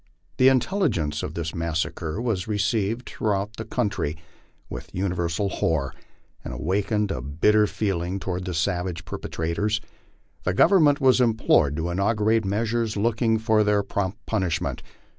The intelligence of this massacre was received throughout the country with universal horror, and awakened a bitter feeling toward the savage perpetra tors. The Government was implored to inaugurate measures looking to their prompt punishment.